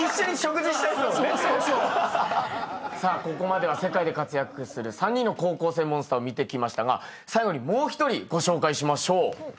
ここまでは世界で活躍する３人の高校生モンスターを見てきましたが最後にもう一人ご紹介しましょう。